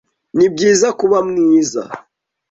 Nibyiza kuba mwiza.